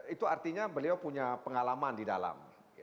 itu artinya beliau punya pengalaman di dalam